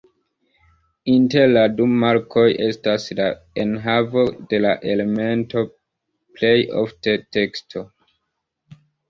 Inter la du markoj estas la enhavo de la elemento, plej ofte teksto.